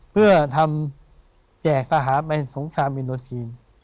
เพื่อทำแจกอาหารไปสงครามอินโดทีน